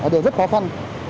đều rất khó khăn